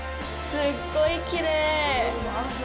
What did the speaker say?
すっごいきれい。